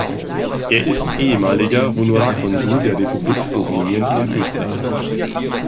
Er ist ehemaliger Honorarkonsul der Republik Slowenien in Österreich.